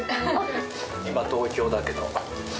今、東京だけど。